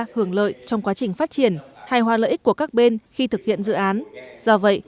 hưởng lợi trong quá trình phát triển hài hòa lợi ích của các bên khi thực hiện dự án do vậy